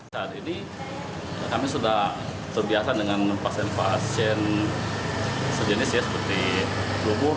saat ini kami sudah terbiasa dengan pasien pasien sejenis ya seperti lubur